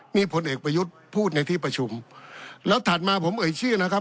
นี่พลเอกประยุทธ์พูดในที่ประชุมแล้วถัดมาผมเอ่ยชื่อนะครับ